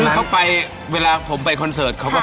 คือเค้าไปเวลาผมไปคอนเสิร์ตเค้าก็ไปด้วย